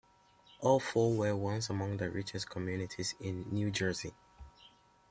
All four were once among the richest communities in New Jersey.